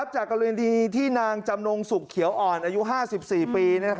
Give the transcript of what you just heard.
จากกรณีที่นางจำนงสุขเขียวอ่อนอายุ๕๔ปี